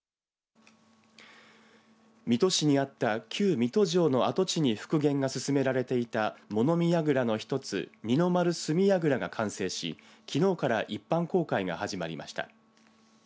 水戸市にあった旧水戸城の跡地に復元が進められていた物見やぐらの一つ二の丸角櫓が完成しきのうから一般公開が始まりました。